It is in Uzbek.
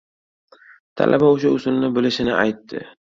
Talaba oʻsha usulni bilishini aytdi.